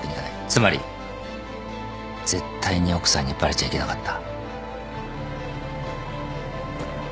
つまり絶対に奥さんにバレちゃいけなかった。